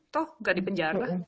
toh nggak di penjara